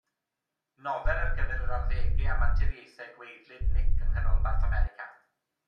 Nofel ar gyfer yr arddegau am anturiaethau gwaedlyd Nic yng nghanolbarth America.